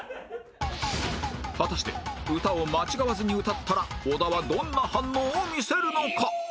果たして歌を間違わずに歌ったら小田はどんな反応を見せるのか？